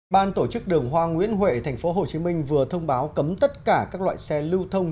ban tổ chức đường hoa nguyễn huệ tp hcm vừa thông báo cấm tất cả các loại xe lưu thông